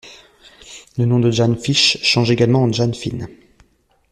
Le nom de Jane Fish change également en Jane Finn.